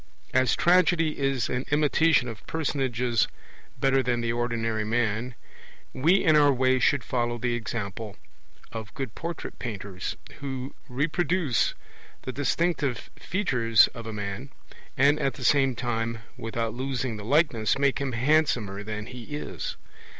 As Tragedy is an imitation of personages better than the ordinary man, we in our way should follow the example of good portrait painters, who reproduce the distinctive features of a man, and at the same time, without losing the likeness, make him handsomer than he is.